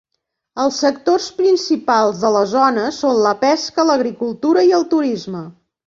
Els sectors principals de la zona són la pesca, l'agricultura i el turisme.